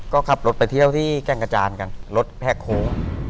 ก็ขับรถไปเที่ยวที่แก่งกระจานกันรถแหกโค้ง